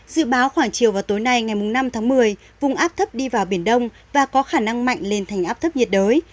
dự báo khoảng chiều và tối nay ngày năm tháng một mươi vùng áp thấp đi vào biển đông và có khả năng mạnh lên thành áp thấp nhiệt đới